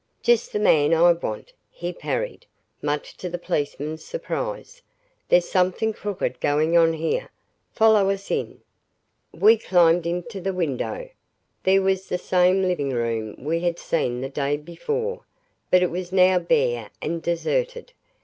"Just the man I want," he parried, much to the policeman's surprise, "There's something crooked going on here. Follow us in." We climbed into the window. There was the same living room we had seen the day before. But it was now bare and deserted.